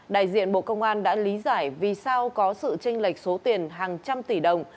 đại diện bộ công an đã lý giải vì sao có sự tranh lệch số tiền hàng trăm tỷ đồng